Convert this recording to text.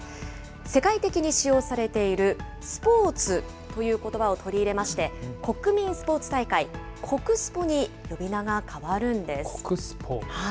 世界的に使用されているスポーツということばを取り入れまして、国民スポーツ大会、国スポに呼び国スポ。